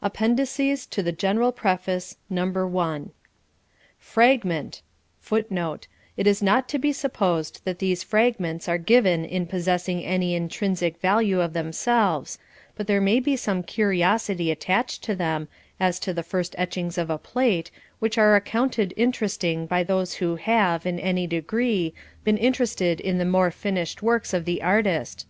APPENDICES TO THE GENERAL PREFACE NO. I FRAGMENT [Footnote: It is not to be supposed that these fragments are given in possessing any intrinsic value of themselves; but there may be some curiosity attached to them, as to the first etchings of a plate, which are accounted interesting by those who have, in any degree, been interested in the more finished works of the artist.